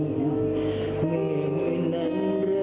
เมื่อมือนั้นเริ่มเย็นเพราะเป็นเคลื่อนใจ